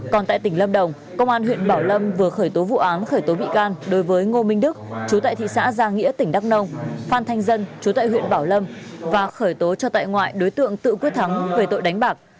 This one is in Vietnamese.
còn tại tỉnh lâm đồng công an huyện bảo lâm vừa khởi tố vụ án khởi tố bị can đối với ngô minh đức chú tại thị xã gia nghĩa tỉnh đắk nông phan thanh dân chú tại huyện bảo lâm và khởi tố cho tại ngoại đối tượng tự quyết thắng về tội đánh bạc